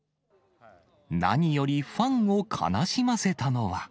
何よりファンを悲しませたのは。